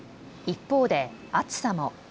一方で暑さも。